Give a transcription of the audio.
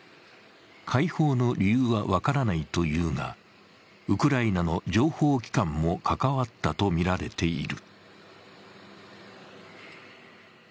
解放の理由は分からないというがウクライナの情報機関も関わったとみられている。